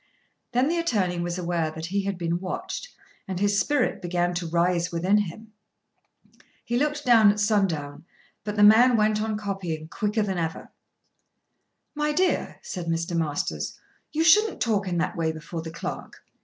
Then the attorney was aware that he had been watched, and his spirit began to rise within him. He looked at Sundown, but the man went on copying quicker than ever. "My dear," said Mr. Masters, "you shouldn't talk in that way before the clerk.